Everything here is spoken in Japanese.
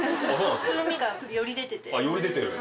風味がより出てて。